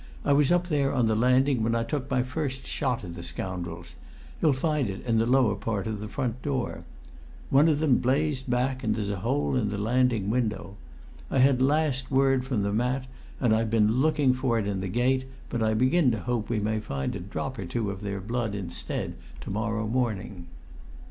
"I was up there on the landing when I took my first shot at the scoundrels. You'll find it in the lower part of the front door. One of them blazed back, and there's the hole in the landing window. I had last word from the mat, and I've been looking for it in the gate, but I begin to hope we may find a drop or two of their blood instead to morrow morning."